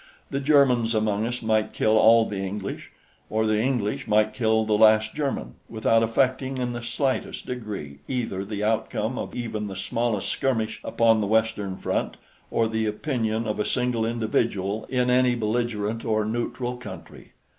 "The Germans among us might kill all the English, or the English might kill the last German, without affecting in the slightest degree either the outcome of even the smallest skirmish upon the western front or the opinion of a single individual in any belligerent or neutral country.